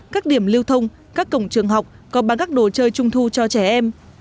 các điểm lưu thông các cổng trường học có bán các đồ chơi trung thu cho trẻ em